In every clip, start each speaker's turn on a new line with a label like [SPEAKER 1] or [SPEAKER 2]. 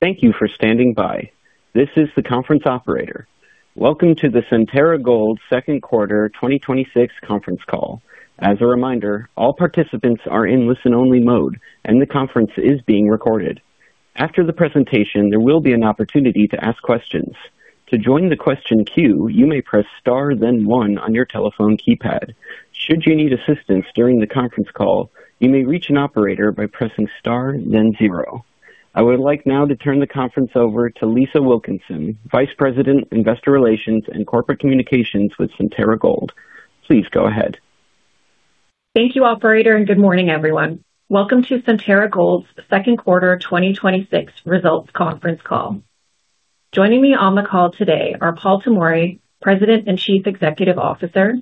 [SPEAKER 1] Thank you for standing by. This is the conference operator. Welcome to the Centerra Gold Q2 2026 conference call. As a reminder, all participants are in listen-only mode and the conference is being recorded. After the presentation, there will be an opportunity to ask questions. To join the question queue, you may press star then one on your telephone keypad. Should you need assistance during the conference call, you may reach an operator by pressing star then zero. I would like now to turn the conference over to Lisa Wilkinson, Vice President, Investor Relations and Corporate Communications with Centerra Gold. Please go ahead.
[SPEAKER 2] Thank you operator. Good morning everyone. Welcome to Centerra Gold's Q2 2026 results conference call. Joining me on the call today are Paul Tomory, President and Chief Executive Officer,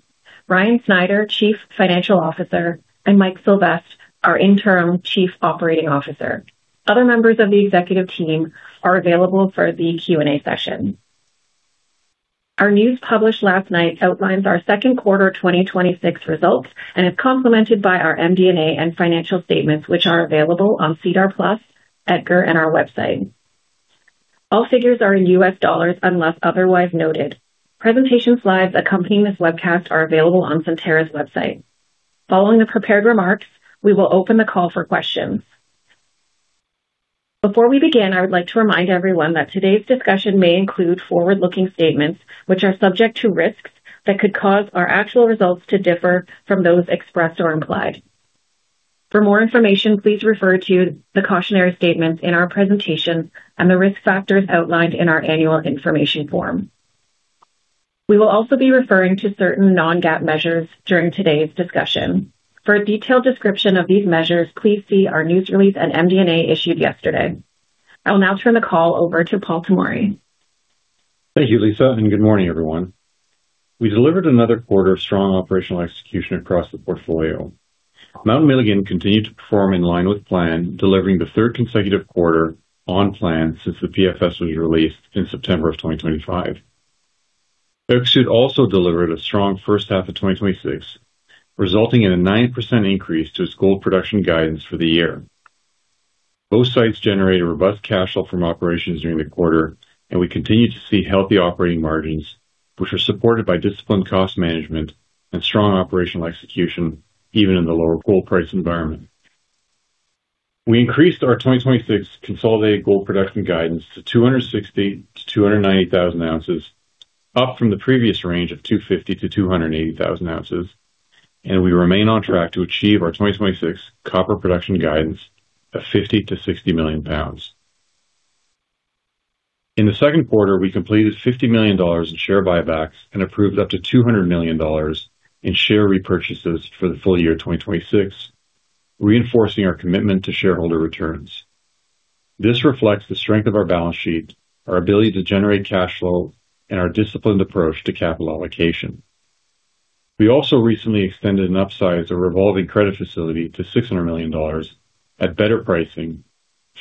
[SPEAKER 2] Ryan Snyder, Chief Financial Officer, and Mike Sylvestre, our Interim Chief Operating Officer. Other members of the executive team are available for the Q&A session. Our news published last night outlines our second quarter 2026 results and is complemented by our MD&A and financial statements, which are available on SEDAR+, EDGAR, and our website. All figures are in U.S. dollars unless otherwise noted. Presentation slides accompanying this webcast are available on Centerra's website. Following the prepared remarks, we will open the call for questions. Before we begin, I would like to remind everyone that today's discussion may include forward-looking statements which are subject to risks that could cause our actual results to differ from those expressed or implied. For more information, please refer to the cautionary statements in our presentations and the risk factors outlined in our annual information form. We will also be referring to certain non-GAAP measures during today's discussion. For a detailed description of these measures, please see our news release and MD&A issued yesterday. I will now turn the call over to Paul Tomory.
[SPEAKER 3] Thank you, Lisa. Good morning everyone. We delivered another quarter of strong operational execution across the portfolio. Mount Milligan continued to perform in line with plan, delivering the third consecutive quarter on plan since the PFS was released in September of 2025. Öksüt also delivered a strong first half of 2026, resulting in a 9% increase to its gold production guidance for the year. Both sites generated robust cash flow from operations during the quarter, and we continue to see healthy operating margins, which are supported by disciplined cost management and strong operational execution, even in the lower gold price environment. We increased our 2026 consolidated gold production guidance to 260,000-290,000 ounces, up from the previous range of 250,000-280,000 ounces, and we remain on track to achieve our 2026 copper production guidance of 50 million-60 million pounds. In the second quarter, we completed $50 million in share buybacks and approved up to $200 million in share repurchases for the full year 2026, reinforcing our commitment to shareholder returns. This reflects the strength of our balance sheet, our ability to generate cash flow, and our disciplined approach to capital allocation. We also recently extended and upsized a revolving credit facility to $600 million at better pricing,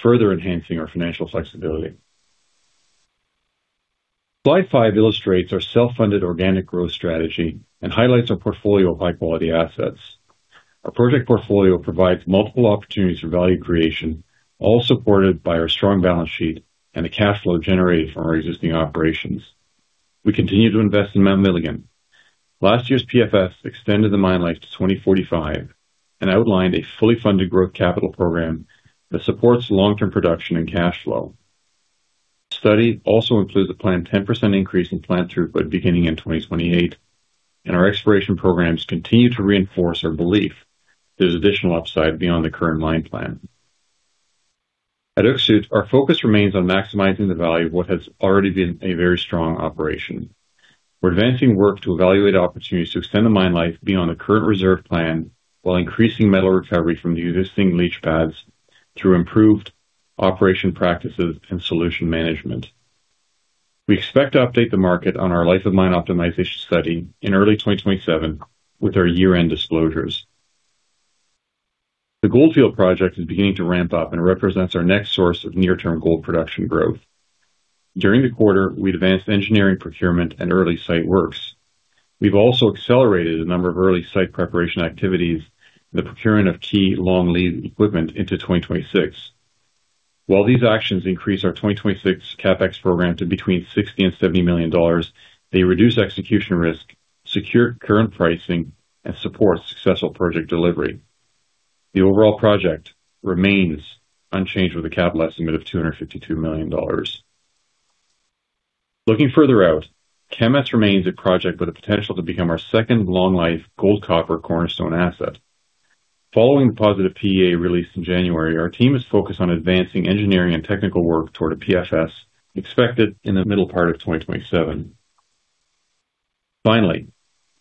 [SPEAKER 3] further enhancing our financial flexibility. Slide five illustrates our self-funded organic growth strategy and highlights our portfolio of high-quality assets. Our project portfolio provides multiple opportunities for value creation, all supported by our strong balance sheet and the cash flow generated from our existing operations. We continue to invest in Mount Milligan. Last year's PFS extended the mine life to 2045 and outlined a fully funded growth capital program that supports long-term production and cash flow. Our exploration programs continue to reinforce our belief there's additional upside beyond the current mine plan. The study also includes a planned 10% increase in plant throughput beginning in 2028. At Öksüt, our focus remains on maximizing the value of what has already been a very strong operation. We're advancing work to evaluate opportunities to extend the mine life beyond the current reserve plan while increasing metal recovery from the existing leach pads through improved operation practices and solution management. We expect to update the market on our life of mine optimization study in early 2027 with our year-end disclosures. The Goldfield project is beginning to ramp up and represents our next source of near-term gold production growth. During the quarter, we advanced engineering procurement and early site works. We've also accelerated a number of early site preparation activities and the procurement of key long-lead equipment into 2026. While these actions increase our 2026 CapEx program to between $60 million and $70 million, they reduce execution risk, secure current pricing, and support successful project delivery. The overall project remains unchanged with a capital estimate of $252 million. Looking further out, Kemess remains a project with the potential to become our second long-life gold copper cornerstone asset. Following the positive PEA released in January, our team is focused on advancing engineering and technical work toward a PFS expected in the middle part of 2027. Finally,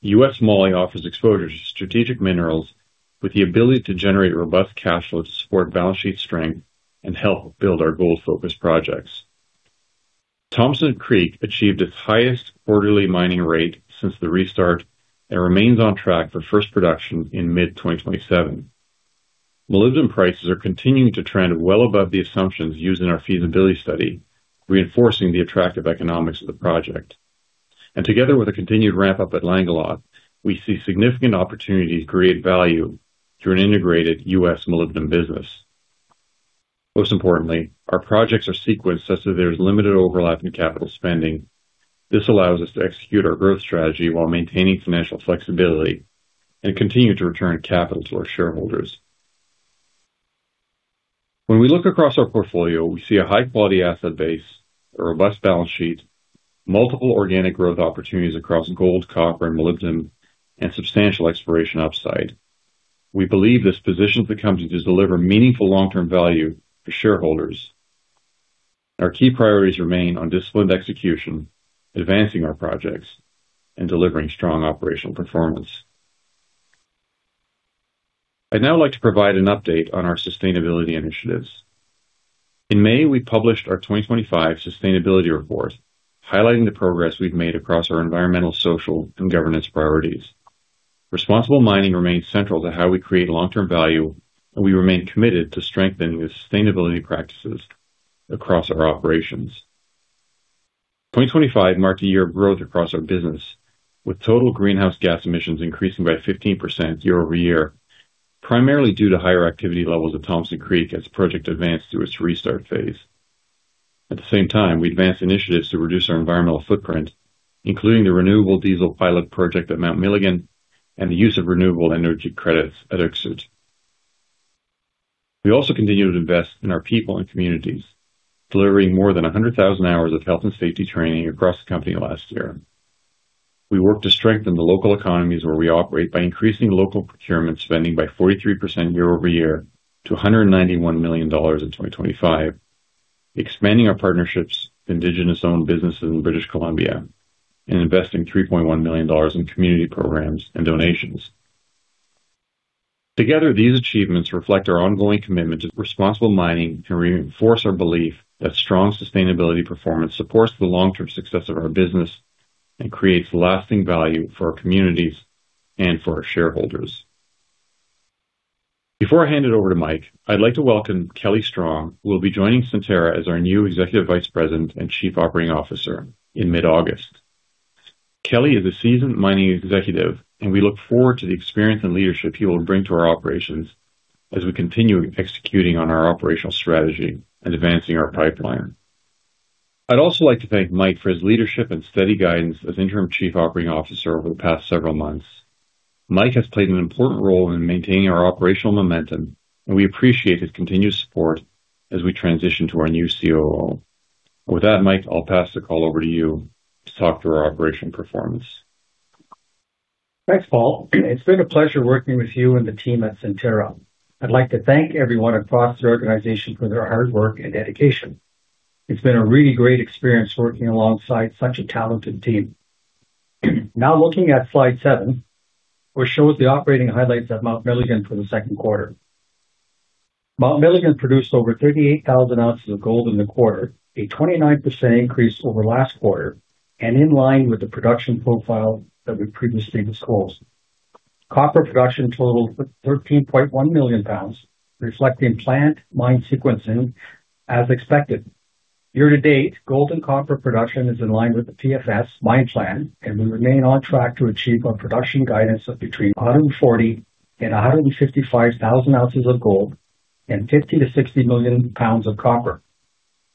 [SPEAKER 3] U.S. Moly offers exposure to strategic minerals with the ability to generate robust cash flow to support balance sheet strength and help build our gold-focused projects. Thompson Creek achieved its highest quarterly mining rate since the restart and remains on track for first production in mid-2027. Molybdenum prices are continuing to trend well above the assumptions used in our feasibility study, reinforcing the attractive economics of the project. Together with a continued ramp up at Langeloth, we see significant opportunities to create value through an integrated U.S. molybdenum business. Most importantly, our projects are sequenced such that there's limited overlap in capital spending. This allows us to execute our growth strategy while maintaining financial flexibility and continue to return capital to our shareholders. When we look across our portfolio, we see a high-quality asset base, a robust balance sheet, multiple organic growth opportunities across gold, copper, and molybdenum, and substantial exploration upside. We believe this positions the company to deliver meaningful long-term value for shareholders. Our key priorities remain on disciplined execution, advancing our projects, and delivering strong operational performance. I'd now like to provide an update on our sustainability initiatives. In May, we published our 2025 sustainability report, highlighting the progress we've made across our environmental, social, and governance priorities. Responsible mining remains central to how we create long-term value, and we remain committed to strengthening sustainability practices across our operations. 2025 marked a year of growth across our business, with total greenhouse gas emissions increasing by 15% year-over-year, primarily due to higher activity levels at Thompson Creek as the project advanced through its restart phase. At the same time, we advanced initiatives to reduce our environmental footprint, including the renewable diesel pilot project at Mount Milligan and the use of renewable energy credits at Öksüt. We also continued to invest in our people and communities, delivering more than 100,000 hours of health and safety training across the company last year. We worked to strengthen the local economies where we operate by increasing local procurement spending by 43% year-over-year to $191 million in 2025, expanding our partnerships with Indigenous-owned businesses in British Columbia, and investing $3.1 million in community programs and donations. Together, these achievements reflect our ongoing commitment to responsible mining and reinforce our belief that strong sustainability performance supports the long-term success of our business and creates lasting value for our communities and for our shareholders. Before I hand it over to Mike, I'd like to welcome Kelly Strong, who will be joining Centerra as our new Executive Vice President and Chief Operating Officer in mid-August. Kelly is a seasoned mining executive, and we look forward to the experience and leadership he will bring to our operations as we continue executing on our operational strategy and advancing our pipeline. I'd also like to thank Mike for his leadership and steady guidance as interim chief operating officer over the past several months. Mike has played an important role in maintaining our operational momentum, and we appreciate his continued support as we transition to our new COO. With that, Mike, I'll pass the call over to you to talk through our operational performance.
[SPEAKER 4] Thanks, Paul. It's been a pleasure working with you and the team at Centerra. I'd like to thank everyone across the organization for their hard work and dedication. It's been a really great experience working alongside such a talented team. Now looking at slide seven, which shows the operating highlights at Mount Milligan for the second quarter. Mount Milligan produced over 38,000 ounces of gold in the quarter, a 29% increase over last quarter and in line with the production profile that we previously disclosed. Copper production totaled 13.1 million pounds, reflecting plant mine sequencing as expected. Year to date, gold and copper production is in line with the PFS mine plan, and we remain on track to achieve our production guidance of between 140,000 and 155,000 ounces of gold and 50 million to 60 million pounds of copper.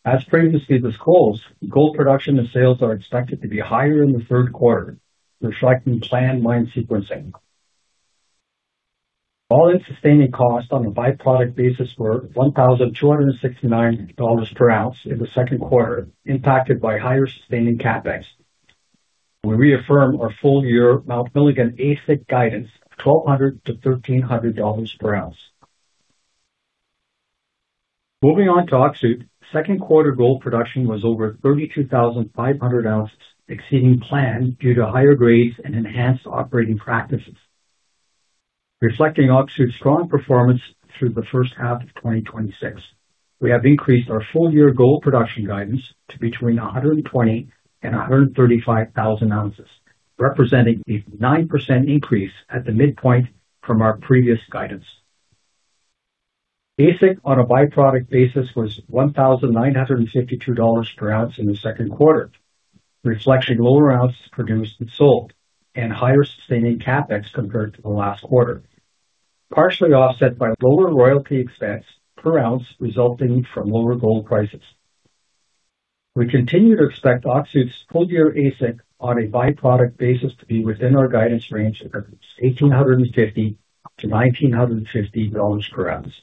[SPEAKER 4] As previously disclosed, gold production and sales are expected to be higher in Q3, reflecting planned mine sequencing. All-in Sustaining Costs on a by-product basis were $1,269 per ounce in Q2, impacted by higher sustaining CapEx. We reaffirm our full year Mount Milligan AISC guidance of $1,200-$1,300 per ounce. Moving on to Öksüt. Second quarter gold production was over 32,500 ounces, exceeding plan due to higher grades and enhanced operating practices. Reflecting Öksüt's strong performance through the H1 of 2026, we have increased our full year gold production guidance to between 120,000 and 135,000 ounces, representing a 9% increase at the midpoint from our previous guidance. AISC on a by-product basis was $1,952 per ounce in Q2, reflecting lower ounces produced and sold and higher sustaining CapEx compared to the last quarter, partially offset by lower royalty expense per ounce resulting from lower gold prices. We continue to expect Öksüt's full year AISC on a by-product basis to be within our guidance range of $1,850-$1,950 per ounce.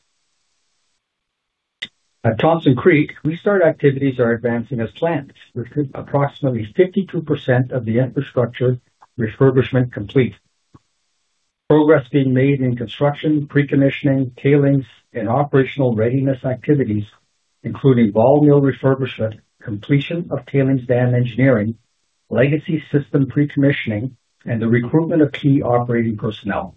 [SPEAKER 4] At Thompson Creek, restart activities are advancing as planned, with approximately 52% of the infrastructure refurbishment complete. Progress being made in construction, pre-commissioning, tailings, and operational readiness activities, including ball mill refurbishment, completion of tailings dam engineering, legacy system pre-commissioning, and the recruitment of key operating personnel.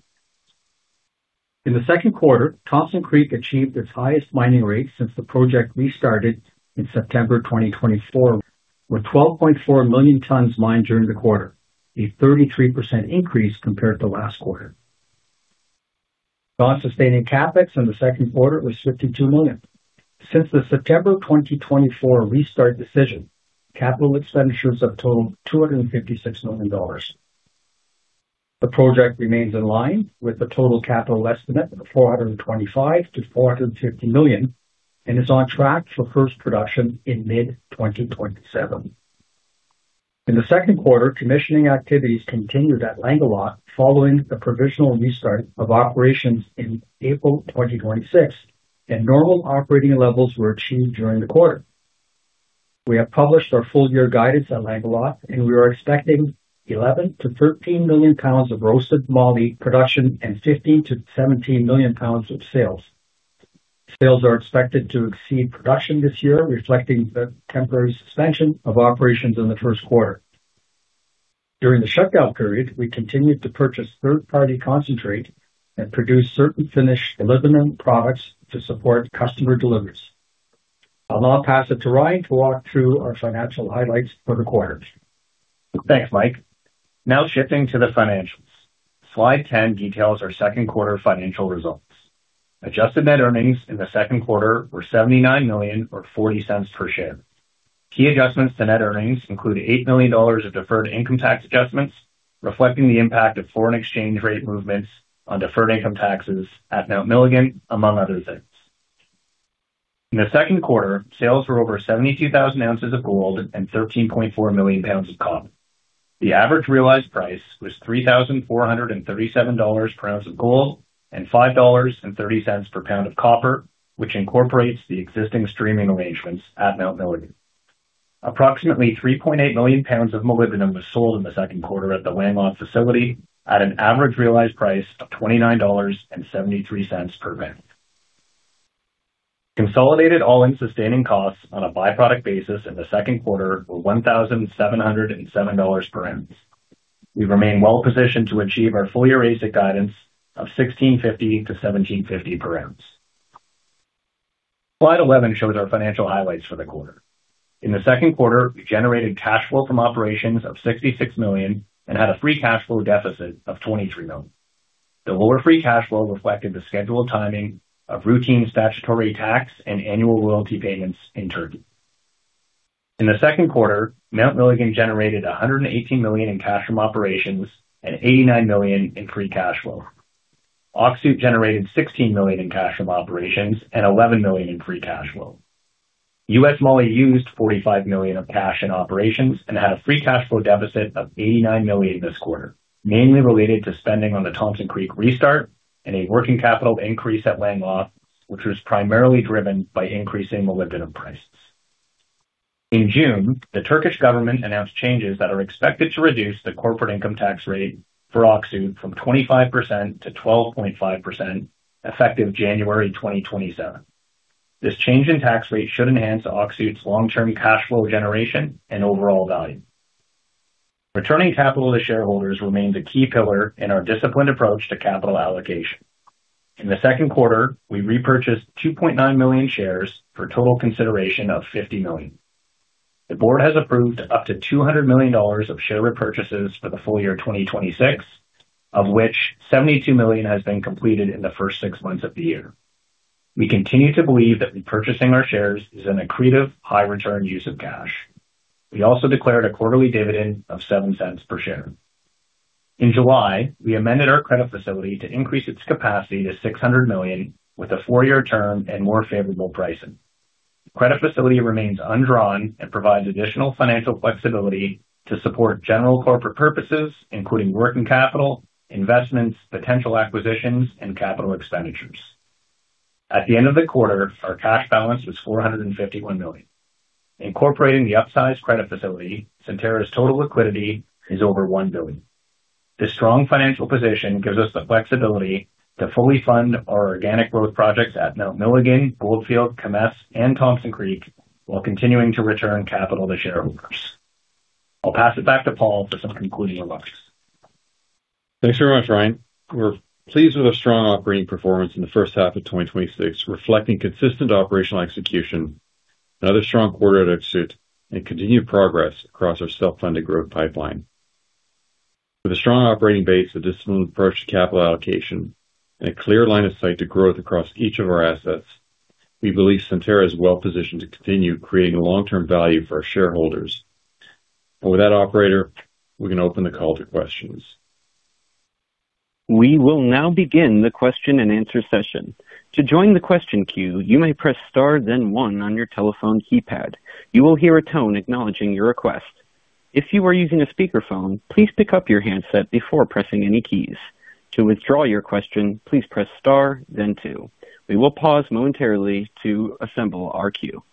[SPEAKER 4] In Q2, Thompson Creek achieved its highest mining rate since the project restarted in September 2024, with 12.4 million tons mined during the quarter, a 33% increase compared to last quarter. Non-sustaining CapEx in Q2 was $52 million. Since the September 2024 restart decision, capital expenditures have totaled $256 million. The project remains in line with the total capital estimate of $425 million-$450 million and is on track for first production in mid-2027. In Q2, commissioning activities continued at Langeloth following the provisional restart of operations in April 2026, and normal operating levels were achieved during the quarter. We have published our full year guidance at Langeloth, and we are expecting 11 million to 13 million pounds of roasted Moly production and 15 million - 17 million pounds of sales. Sales are expected to exceed production this year, reflecting the temporary suspension of operations in Q1. During the shutdown period, we continued to purchase third-party concentrate and produce certain finished molybdenum products to support customer deliveries. I'll now pass it to Ryan to walk through our financial highlights for the quarter.
[SPEAKER 5] Thanks, Mike. Now shifting to the financials. Slide 10 details our Q2 financial results. Adjusted net earnings in Q2 were $79 million, or $0.40 per share. Key adjustments to net earnings include $8 million of deferred income tax adjustments, reflecting the impact of foreign exchange rate movements on deferred income taxes at Mount Milligan, among other things. In the second quarter, sales were over 72,000 ounces of gold and 13.4 million pounds of copper. The average realized price was $3,437 per ounce of gold and $5.30 per pound of copper, which incorporates the existing streaming arrangements at Mount Milligan. Approximately 3.8 million pounds of molybdenum was sold in Q2 at the Langeloth facility at an average realized price of $29.73 per pound. Consolidated all-in sustaining costs on a byproduct basis in Q2 were $1,707 per ounce. We remain well positioned to achieve our full-year AISC guidance of $1,650-$1,750 per ounce. Slide 11 shows our financial highlights for the quarter. In the second quarter, we generated cash flow from operations of $66 million and had a free cash flow deficit of $23 million. The lower free cash flow reflected the scheduled timing of routine statutory tax and annual royalty payments in Turkey. In the second quarter, Mount Milligan generated $118 million in cash from operations and $89 million in free cash flow. Öksüt generated $16 million in cash from operations and $11 million in free cash flow. U.S. Moly used $45 million of cash in operations and had a free cash flow deficit of $89 million this quarter, mainly related to spending on the Thompson Creek restart and a working capital increase at Langeloth, which was primarily driven by increasing molybdenum prices. In June, the Turkish government announced changes that are expected to reduce the corporate income tax rate for Oyu Tolgoi from 25% - 12.5%, effective January 2027. This change in tax rate should enhance Oyu Tolgoi's long-term cash flow generation and overall value. Returning capital to shareholders remains a key pillar in our disciplined approach to capital allocation. In the second quarter, we repurchased 2.9 million shares for a total consideration of $50 million. The board has approved up to $200 million of share repurchases for the full year 2026, of which $72 million has been completed in the first six months of the year. We continue to believe that repurchasing our shares is an accretive, high return use of cash. We also declared a quarterly dividend of $0.07 per share. In July, we amended our credit facility to increase its capacity to $600 million with a four-year term and more favorable pricing. The credit facility remains undrawn and provides additional financial flexibility to support general corporate purposes, including working capital, investments, potential acquisitions, and capital expenditures. At the end of the quarter, our cash balance was $451 million. Incorporating the upsized credit facility, Centerra's total liquidity is over $1 billion. This strong financial position gives us the flexibility to fully fund our organic growth projects at Mount Milligan, Goldfield, Kemess, and Thompson Creek while continuing to return capital to shareholders. I'll pass it back to Paul for some concluding remarks.
[SPEAKER 3] Thanks very much, Ryan. We're pleased with a strong operating performance in H1 of 2026, reflecting consistent operational execution, another strong quarter at Oyu Tolgoi, and continued progress across our self-funded growth pipeline. With a strong operating base, a disciplined approach to capital allocation, and a clear line of sight to growth across each of our assets, we believe Centerra is well positioned to continue creating long-term value for our shareholders. With that, operator, we can open the call to questions.
[SPEAKER 1] We will now begin the question-and-answer session. To join the question queue, you may press star then one on your telephone keypad. You will hear a tone acknowledging your request. If you are using a speakerphone, please pick up your handset before pressing any keys. To withdraw your question, please press star then two. We will pause momentarily to assemble our queue.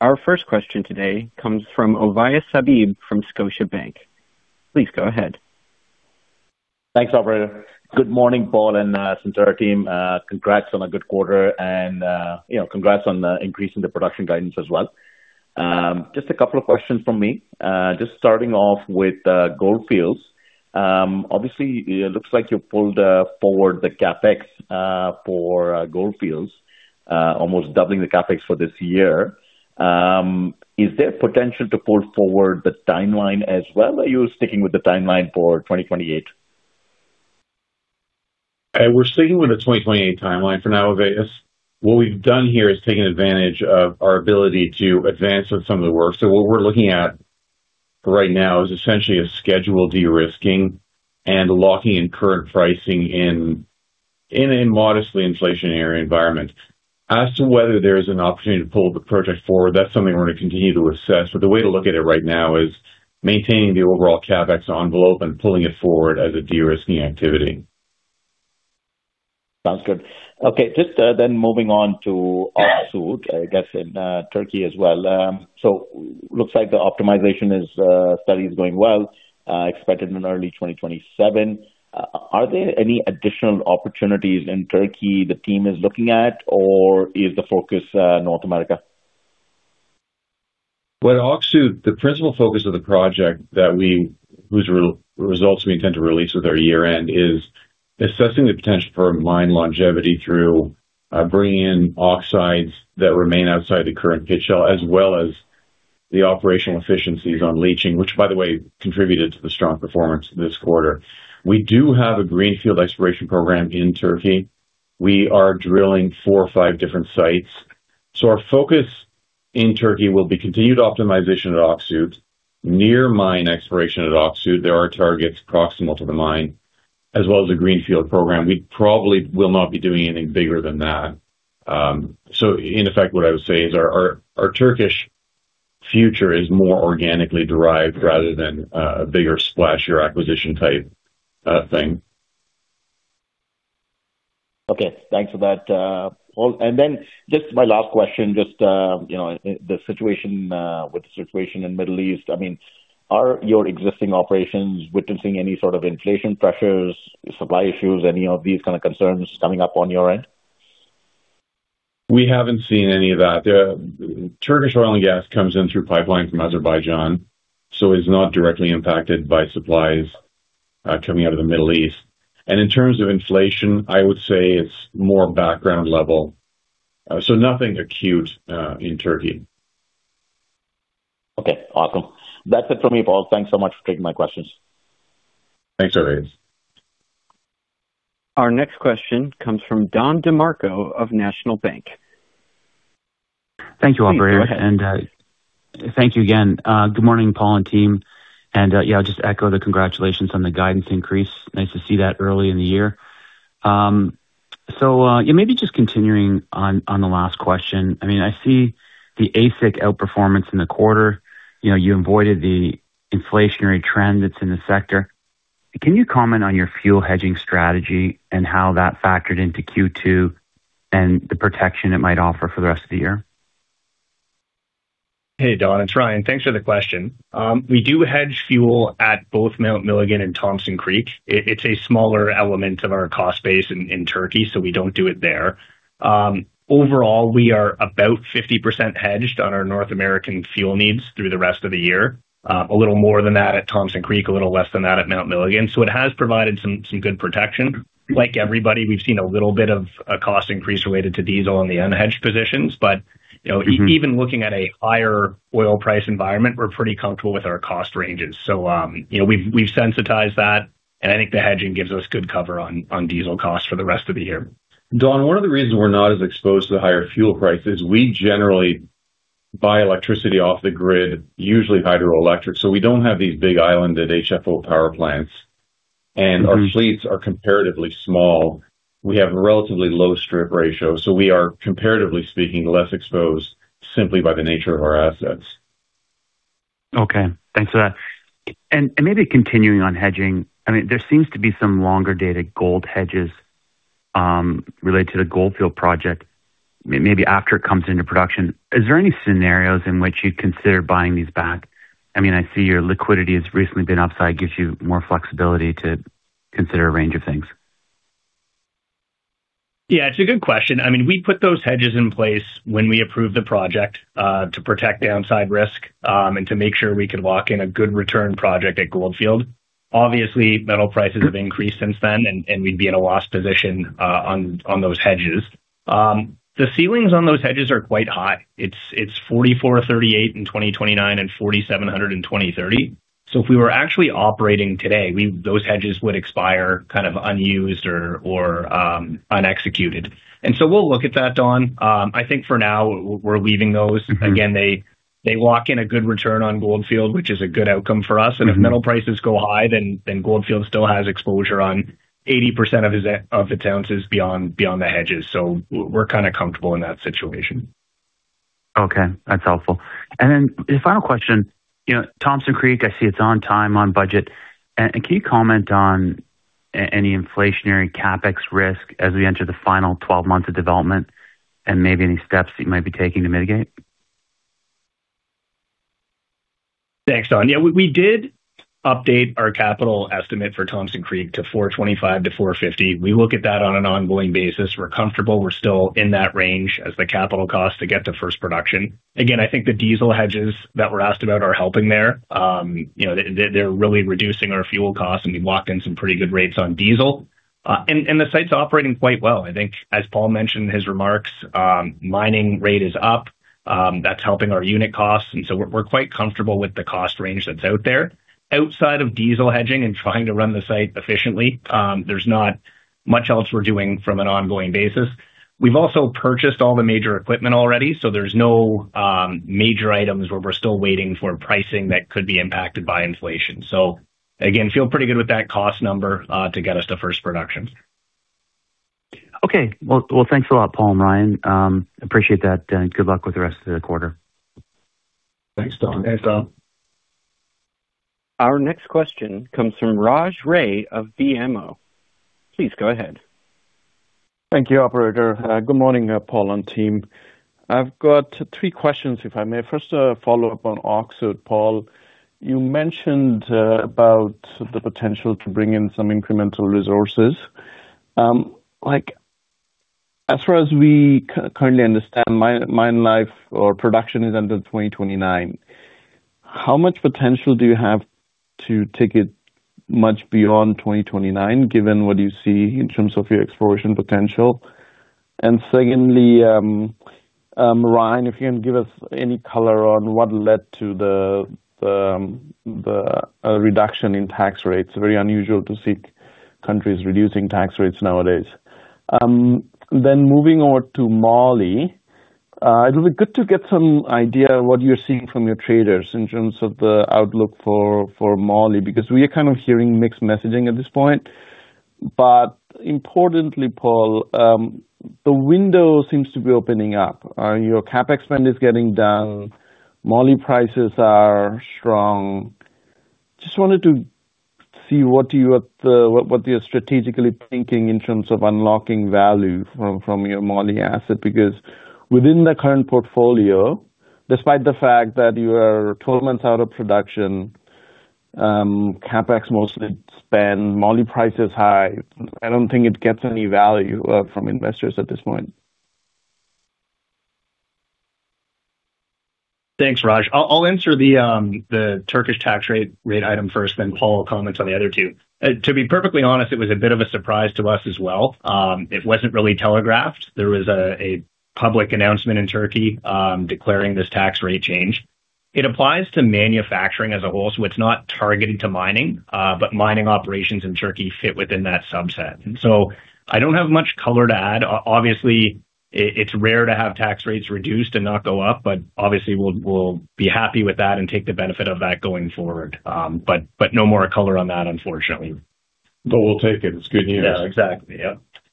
[SPEAKER 1] Our first question today comes from Ovais Habib from Scotiabank. Please go ahead.
[SPEAKER 6] Thanks, operator. Good morning, Paul and Centerra team. Congrats on a good quarter and congrats on increasing the production guidance as well. Just a couple of questions from me. Just starting off with Goldfield. Obviously, it looks like you pulled forward the CapEx for Goldfield, almost doubling the CapEx for this year. Is there potential to pull forward the timeline as well, or are you sticking with the timeline for 2028?
[SPEAKER 3] We're sticking with the 2028 timeline for now, Ovais. What we've done here is taken advantage of our ability to advance on some of the work. What we're looking at right now is essentially a schedule de-risking and locking in current pricing in a modestly inflationary environment. As to whether there is an opportunity to pull the project forward, that's something we're going to continue to assess. The way to look at it right now is maintaining the overall CapEx envelope and pulling it forward as a de-risking activity.
[SPEAKER 6] Sounds good. Okay. Just then moving on to Öksüt, I guess, in Turkey as well. Looks like the optimization study is going well, expected in early 2027. Are there any additional opportunities in Turkey the team is looking at, or is the focus North America?
[SPEAKER 3] With Öksüt, the principal focus of the project that whose results we intend to release with our year-end is assessing the potential for mine longevity through bringing in oxides that remain outside the current pit shell, as well as the operational efficiencies on leaching, which, by the way, contributed to the strong performance this quarter. We do have a greenfield exploration program in Turkey. We are drilling four or five different sites. Our focus in Turkey will be continued optimization at Öksüt, near mine exploration at Öksüt. There are targets proximal to the mine, as well as a greenfield program. We probably will not be doing anything bigger than that. In effect, what I would say is our Turkish future is more organically derived rather than a bigger splashier acquisition type thing.
[SPEAKER 6] Okay. Thanks for that. Just my last question, just the situation with the situation in Middle East. Are your existing operations witnessing any sort of inflation pressures, supply issues, any of these kind of concerns coming up on your end?
[SPEAKER 3] We haven't seen any of that. Turkish oil and gas comes in through pipeline from Azerbaijan, so it's not directly impacted by supplies coming out of the Middle East. In terms of inflation, I would say it's more background level. Nothing acute in Turkey.
[SPEAKER 6] Okay, awesome. That's it for me, Paul. Thanks so much for taking my questions.
[SPEAKER 3] Thanks, Ovais.
[SPEAKER 1] Our next question comes from Don DeMarco of National Bank.
[SPEAKER 7] Thank you, operator.
[SPEAKER 1] Please go ahead.
[SPEAKER 7] Thank you again. Good morning, Paul and team. Yeah, I'll just echo the congratulations on the guidance increase. Nice to see that early in the year. Yeah, maybe just continuing on the last question. I see the AISC outperformance in the quarter. You avoided the inflationary trend that's in the sector. Can you comment on your fuel hedging strategy and how that factored into Q2 and the protection it might offer for the rest of the year?
[SPEAKER 5] Hey, Don, it's Ryan. Thanks for the question. We do hedge fuel at both Mount Milligan and Thompson Creek. It's a smaller element of our cost base in Turkey, so we don't do it there. Overall, we are about 50% hedged on our North American fuel needs through the rest of the year. A little more than that at Thompson Creek, a little less than that at Mount Milligan. It has provided some good protection. Like everybody, we've seen a little bit of a cost increase related to diesel in the unhedged positions. Even looking at a higher oil price environment, we're pretty comfortable with our cost ranges. We've sensitized that, and I think the hedging gives us good cover on diesel costs for the rest of the year.
[SPEAKER 3] Don, one of the reasons we're not as exposed to the higher fuel price is we generally buy electricity off the grid, usually hydroelectric, so we don't have these big islanded HFO power plants. Our fleets are comparatively small. We have a relatively low strip ratio, so we are, comparatively speaking, less exposed simply by the nature of our assets.
[SPEAKER 7] Okay, thanks for that. Maybe continuing on hedging, there seems to be some longer dated gold hedges related to the Goldfield project, maybe after it comes into production. Is there any scenarios in which you'd consider buying these back? I see your liquidity has recently been upside, gives you more flexibility to consider a range of things.
[SPEAKER 5] Yeah, it's a good question. We put those hedges in place when we approved the project, to protect downside risk, and to make sure we could lock in a good return project at Goldfield. Obviously, metal prices have increased since then, and we'd be in a loss position on those hedges. The ceilings on those hedges are quite high. It's $4,438 in 2029 and $4,700 in 2030. If we were actually operating today, those hedges would expire kind of unused or unexecuted. We'll look at that, Don. I think for now, we're leaving those. They lock in a good return on Goldfield, which is a good outcome for us. If metal prices go high, Goldfield still has exposure on 80% of its ounces beyond the hedges. We're kind of comfortable in that situation.
[SPEAKER 7] Okay, that's helpful. The final question. Thompson Creek, I see it's on time, on budget. Can you comment on any inflationary CapEx risk as we enter the final 12 months of development, and maybe any steps that you might be taking to mitigate?
[SPEAKER 5] Thanks, Don. We did update our capital estimate for Thompson Creek to $425-$450. We look at that on an ongoing basis. We're comfortable we're still in that range as the capital cost to get to first production. I think the diesel hedges that were asked about are helping there. They're really reducing our fuel costs, and we've locked in some pretty good rates on diesel. The site's operating quite well. I think, as Paul mentioned in his remarks, mining rate is up. That's helping our unit costs. We're quite comfortable with the cost range that's out there. Outside of diesel hedging and trying to run the site efficiently, there's not much else we're doing from an ongoing basis. We've also purchased all the major equipment already, so there's no major items where we're still waiting for pricing that could be impacted by inflation. Again, feel pretty good with that cost number to get us to first production.
[SPEAKER 7] Okay. Well, thanks a lot, Paul and Ryan. Appreciate that. Good luck with the rest of the quarter.
[SPEAKER 3] Thanks, Don.
[SPEAKER 5] Thanks, Don.
[SPEAKER 1] Our next question comes from Raj Ray of BMO. Please go ahead.
[SPEAKER 8] Thank you, operator. Good morning, Paul and team. I've got three questions, if I may. First, a follow-up on Öksüt, Paul. You mentioned about the potential to bring in some incremental resources. As far as we currently understand, mine life or production is under 2029. How much potential do you have to take it much beyond 2029, given what you see in terms of your exploration potential? Secondly, Ryan, if you can give us any color on what led to the reduction in tax rates. Very unusual to see countries reducing tax rates nowadays. Moving over to Moly. It'll be good to get some idea what you're seeing from your traders in terms of the outlook for Moly, because we are hearing mixed messaging at this point. Importantly, Paul, the window seems to be opening up. Your CapEx spend is getting done. Moly prices are strong. Just wanted to see what you're strategically thinking in terms of unlocking value from your Moly asset, because within the current portfolio, despite the fact that you are 12 months out of production, CapEx mostly spent, Moly price is high. I don't think it gets any value from investors at this point.
[SPEAKER 5] Thanks, Raj. I'll answer the Turkish tax rate item first, then Paul will comment on the other two. To be perfectly honest, it was a bit of a surprise to us as well. It wasn't really telegraphed. There was a public announcement in Turkey declaring this tax rate change. It applies to manufacturing as a whole, so it's not targeted to mining. Mining operations in Turkey fit within that subset. I don't have much color to add. Obviously, it's rare to have tax rates reduced and not go up, but obviously we'll be happy with that and take the benefit of that going forward. No more color on that, unfortunately.
[SPEAKER 3] We'll take it. It's good news.
[SPEAKER 5] Yeah, exactly.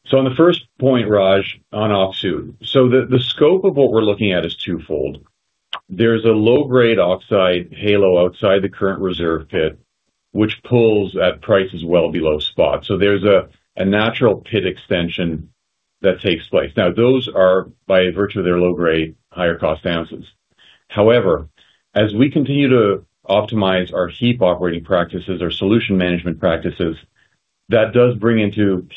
[SPEAKER 5] Yep.
[SPEAKER 3] On the first point, Raj, on Öksüt. The scope of what we're looking at is twofold. There's a low-grade oxide halo outside the current reserve pit, which pulls at prices well below spot. There's a natural pit extension that takes place. Now, those are, by virtue of their low grade, higher cost ounces. However, as we continue to optimize our heap operating practices, our solution management practices, that does bring into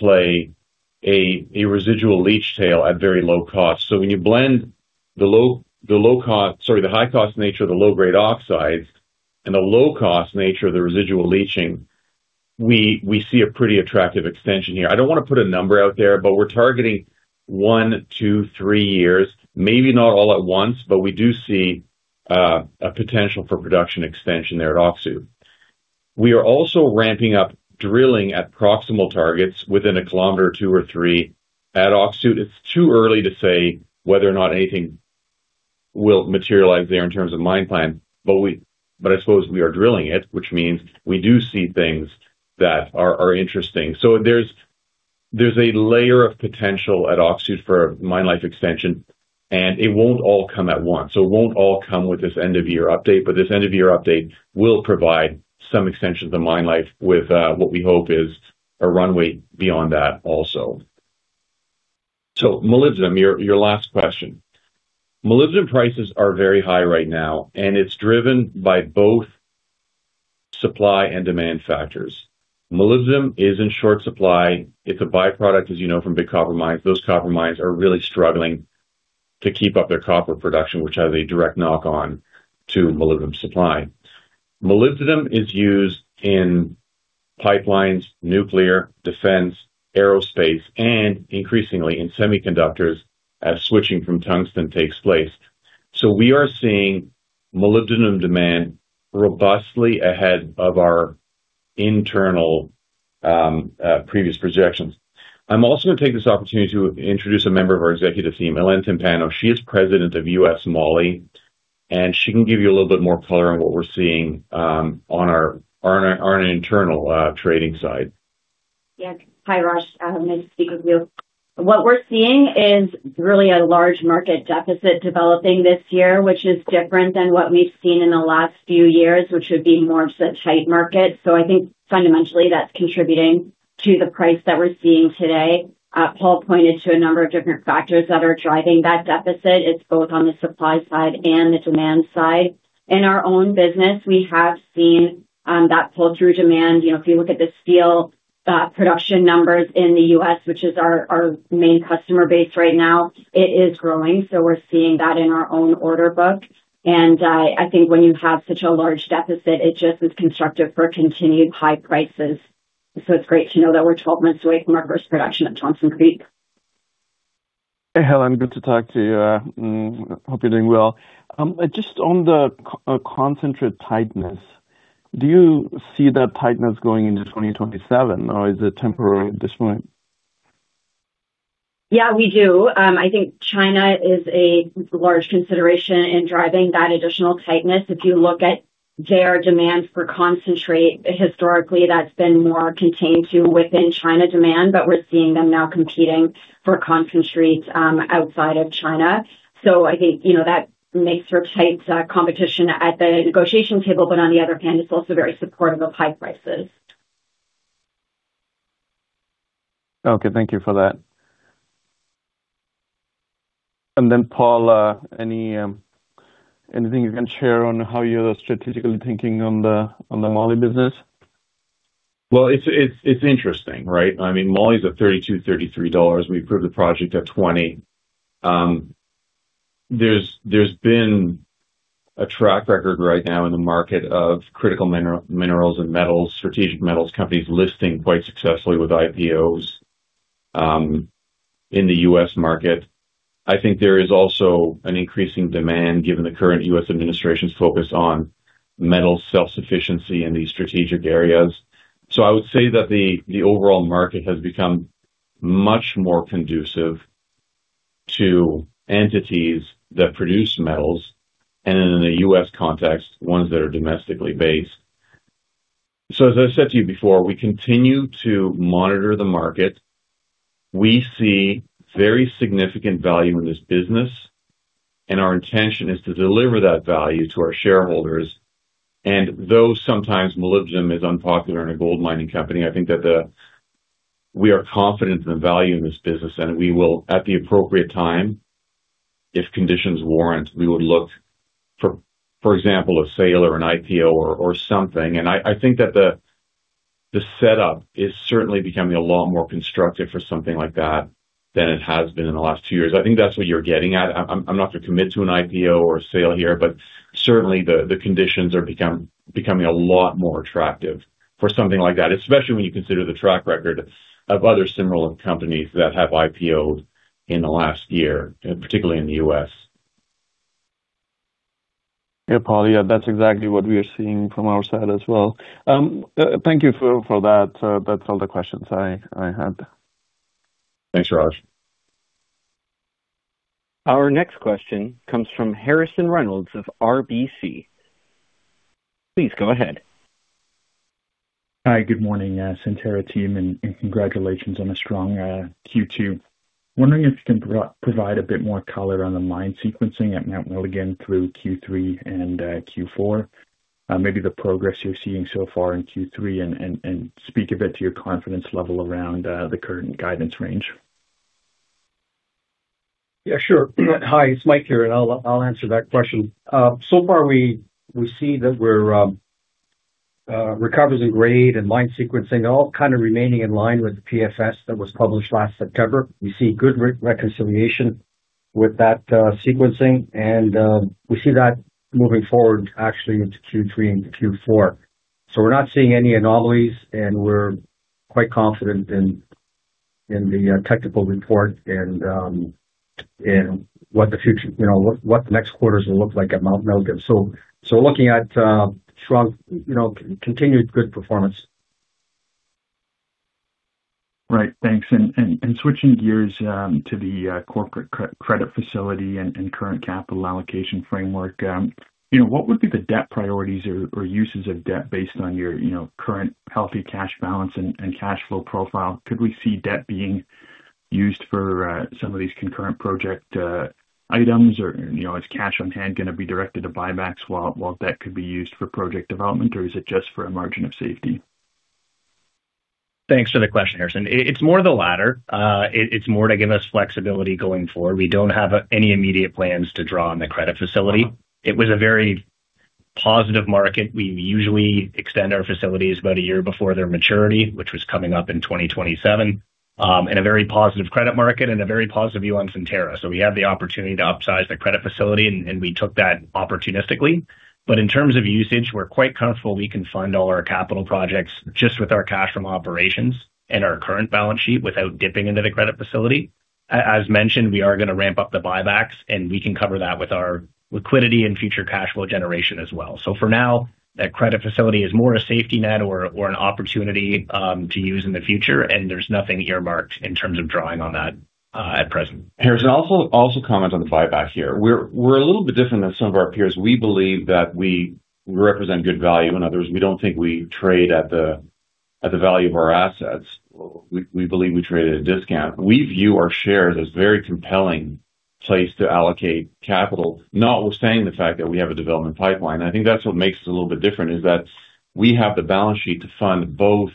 [SPEAKER 3] play a residual leach tail at very low cost. When you blend the high cost nature of the low grade oxides and the low cost nature of the residual leaching, we see a pretty attractive extension here. I don't want to put a number out there, but we're targeting one, two, three years, maybe not all at once, but we do see a potential for production extension there at Öksüt. We are also ramping up drilling at proximal targets within a kilometer or two or three at Öksüt. It's too early to say whether or not anything will materialize there in terms of mine plan, but I suppose we are drilling it, which means we do see things that are interesting. There's a layer of potential at Öksüt for mine life extension, and it won't all come at once. It won't all come with this end of year update, but this end of year update will provide some extension to mine life with what we hope is a runway beyond that also. Molybdenum, your last question. Molybdenum prices are very high right now, and it's driven by both supply and demand factors. Molybdenum is in short supply. It's a byproduct, as you know, from big copper mines. Those copper mines are really struggling to keep up their copper production, which has a direct knock on to molybdenum supply. Molybdenum is used in pipelines, nuclear, defense, aerospace, and increasingly in semiconductors as switching from tungsten takes place. We are seeing molybdenum demand robustly ahead of our internal previous projections. I'm also going to take this opportunity to introduce a member of our executive team, Hélène Timpano. She is President of U.S. Moly, and she can give you a little bit more color on what we're seeing on our internal trading side.
[SPEAKER 9] Yeah. Hi, Raj. Nice to speak with you. What we're seeing is really a large market deficit developing this year, which is different than what we've seen in the last few years, which would be more of a tight market. I think fundamentally, that's contributing to the price that we're seeing today. Paul pointed to a number of different factors that are driving that deficit. It's both on the supply side and the demand side. In our own business, we have seen that pull through demand. If you look at the steel production numbers in the U.S., which is our main customer base right now, it is growing. We're seeing that in our own order book. I think when you have such a large deficit, it just is constructive for continued high prices. It's great to know that we're 12 months away from our first production at Thompson Creek.
[SPEAKER 8] Hey, Hélène, good to talk to you. Hope you're doing well. Just on the concentrate tightness, do you see that tightness going into 2027, or is it temporary at this point?
[SPEAKER 9] Yeah, we do. I think China is a large consideration in driving that additional tightness. If you look at their demand for concentrate, historically, that's been more contained to within China demand, but we're seeing them now competing for concentrates outside of China. I think that makes for tight competition at the negotiation table, but on the other hand, it's also very supportive of high prices.
[SPEAKER 8] Okay, thank you for that. Then Paul, anything you can share on how you're strategically thinking on the Moly business?
[SPEAKER 3] Well, it's interesting, right? I mean, Moly's at $32, $33. We approved the project at $20. There's been a track record right now in the market of critical minerals and metals, strategic metals companies listing quite successfully with IPOs in the U.S. market. I think there is also an increasing demand given the current U.S. administration's focus on metal self-sufficiency in these strategic areas. I would say that the overall market has become much more conducive to entities that produce metals, and in the U.S. context, ones that are domestically based. As I said to you before, we continue to monitor the market. We see very significant value in this business, and our intention is to deliver that value to our shareholders. Though sometimes molybdenum is unpopular in a gold mining company, I think that we are confident in the value in this business, and we will, at the appropriate time, if conditions warrant, we would look for example, a sale or an IPO or something. I think that the setup is certainly becoming a lot more constructive for something like that than it has been in the last two years. I think that's what you're getting at. I'm not going to commit to an IPO or a sale here. Certainly the conditions are becoming a lot more attractive for something like that, especially when you consider the track record of other similar companies that have IPO'd in the last year, particularly in the U.S.
[SPEAKER 8] Yeah, Paul, that's exactly what we are seeing from our side as well. Thank you for that. That's all the questions I had.
[SPEAKER 3] Thanks, Raj.
[SPEAKER 1] Our next question comes from Harrison Reynolds of RBC. Please go ahead.
[SPEAKER 10] Hi, good morning, Centerra team, congratulations on a strong Q2. Wondering if you can provide a bit more color on the mine sequencing at Mount Milligan through Q3 and Q4, maybe the progress you're seeing so far in Q3 and speak a bit to your confidence level around the current guidance range.
[SPEAKER 4] Yeah, sure. Hi, it's Mike here, and I'll answer that question. So far we see that recovers in grade and line sequencing are all kind of remaining in line with the PFS that was published last September. We see good reconciliation with that sequencing. We see that moving forward actually into Q3 and Q4. We're not seeing any anomalies. We're quite confident in the technical report and what the next quarters will look like at Mount Milligan. Looking at strong, continued good performance.
[SPEAKER 10] Right. Thanks. Switching gears to the corporate credit facility and current capital allocation framework, what would be the debt priorities or uses of debt based on your current healthy cash balance and cash flow profile? Could we see debt being used for some of these concurrent project items, or is cash on hand going to be directed to buybacks while debt could be used for project development, or is it just for a margin of safety?
[SPEAKER 5] Thanks for the question, Harrison. It's more of the latter. It's more to give us flexibility going forward. We don't have any immediate plans to draw on the credit facility. It was a very positive market. We usually extend our facilities about a year before their maturity, which was coming up in 2027, in a very positive credit market and a very positive view on Centerra. We had the opportunity to upsize the credit facility. We took that opportunistically. In terms of usage, we're quite comfortable we can fund all our capital projects just with our cash from operations and our current balance sheet without dipping into the credit facility. As mentioned, we are going to ramp up the buybacks. We can cover that with our liquidity and future cash flow generation as well. For now, that credit facility is more a safety net or an opportunity to use in the future. There's nothing earmarked in terms of drawing on that at present.
[SPEAKER 3] Harrison, I'll also comment on the buyback here. We're a little bit different than some of our peers. We believe that we represent good value. In other words, we don't think we trade at the value of our assets. We believe we trade at a discount. We view our shares as very compelling place to allocate capital, notwithstanding the fact that we have a development pipeline. I think that's what makes us a little bit different, is that we have the balance sheet to fund both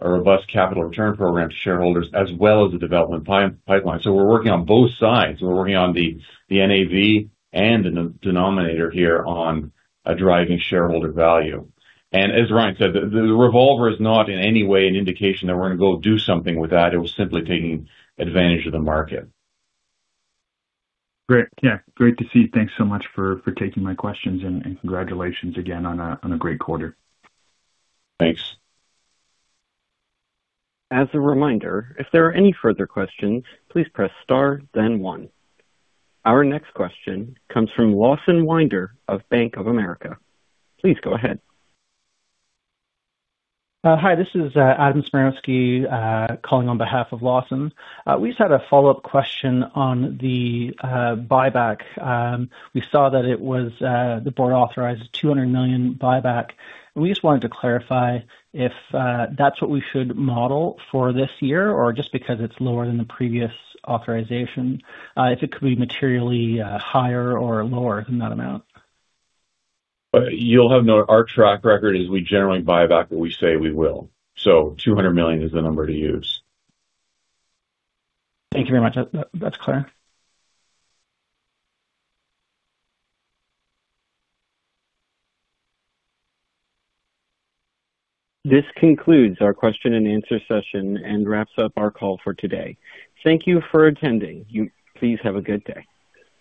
[SPEAKER 3] a robust capital return program to shareholders as well as the development pipeline. We're working on both sides. We're working on the NAV and the denominator here on driving shareholder value. As Ryan said, the revolver is not in any way an indication that we're going to go do something with that. It was simply taking advantage of the market.
[SPEAKER 10] Great. Yeah, great to see you. Thanks so much for taking my questions and congratulations again on a great quarter.
[SPEAKER 3] Thanks.
[SPEAKER 1] As a reminder, if there are any further questions, please press star then one. Our next question comes from Lawson Winder of Bank of America. Please go ahead.
[SPEAKER 11] Hi, this is Adam Smirnowski, calling on behalf of Lawson. We just had a follow-up question on the buyback. We saw that the board authorized a $200 million buyback. We just wanted to clarify if that's what we should model for this year, or just because it's lower than the previous authorization, if it could be materially higher or lower than that amount.
[SPEAKER 3] You'll have note our track record is we generally buy back what we say we will. $200 million is the number to use.
[SPEAKER 11] Thank you very much. That's clear.
[SPEAKER 1] This concludes our question-and-answer session and wraps up our call for today. Thank you for attending. Please have a good day.